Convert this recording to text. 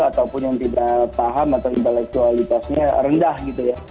ataupun yang tidak paham atau intelektualitasnya rendah gitu ya